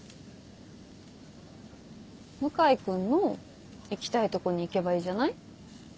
向井君の行きたいとこに行けばいいじゃない？